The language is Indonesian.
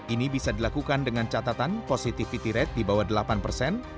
ini bisa dilakukan dengan catatan positivity rate di bawah delapan persen